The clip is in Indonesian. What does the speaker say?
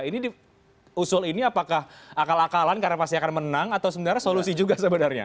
ini usul ini apakah akal akalan karena pasti akan menang atau sebenarnya solusi juga sebenarnya